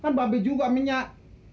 kan babel juga minyak